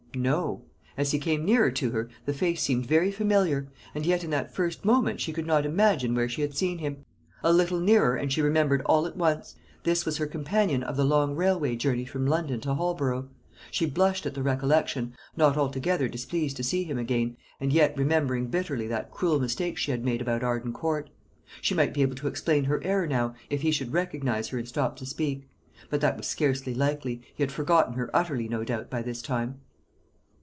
No. As he came nearer to her, the face seemed very familiar; and yet in that first moment she could not imagine where she had seen him. A little nearer, and she remembered all at once. This was her companion of the long railway journey from London to Holborough. She blushed at the recollection, not altogether displeased to see him again, and yet remembering bitterly that cruel mistake she had made about Arden Court. She might be able to explain her error now, if he should recognise her and stop to speak; but that was scarcely likely. He had forgotten her utterly, no doubt, by this time.